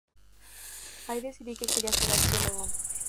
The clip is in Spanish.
Ahí decidí que quería ser arqueólogo.